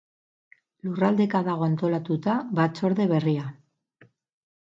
Lurraldeka dago antolatuta batzorde berria.